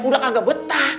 udah kagak betah